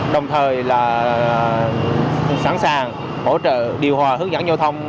đồng thời là sẵn sàng hỗ trợ điều hòa hướng dẫn giao thông